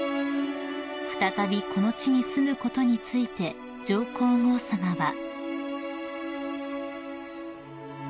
［再びこの地に住むことについて上皇后さまは］